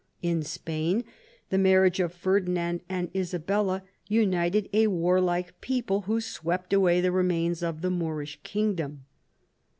In Spain, the marriage of Ferdinand and Isabella united a warlike people who swept away the remains of the Moorish kingdom.